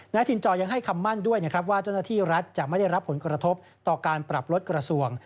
ถิ่นจอยังให้คำมั่นด้วยนะครับว่าเจ้าหน้าที่รัฐจะไม่ได้รับผลกระทบต่อการปรับลดกระทรวง